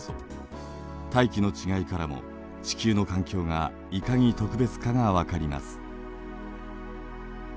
大気の違いからも地球の環境がいかに特別かが分かります。